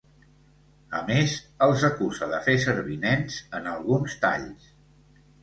A més, els acusa de fer servir nens en alguns talls.